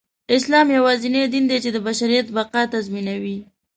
اسلام يواځينى دين دى، چې د بشریت بقاﺀ تضمينوي.